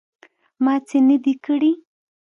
_ما څه نه دي کړي.